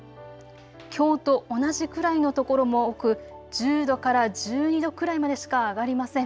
きょうと同じくらいの所も多く１０度から１２度くらいまでしか上がりません。